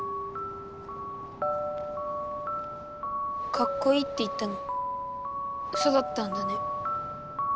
かっこいいって言ったのウソだったんだね。